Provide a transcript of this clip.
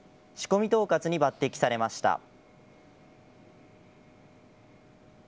仕込み統括に抜てきされました。